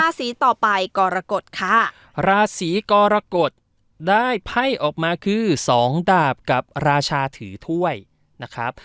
สีต่อไปกรกฎค่ะราศีกรกฎได้ไพ่ออกมาคือสองดาบกับราชาถือถ้วยนะครับ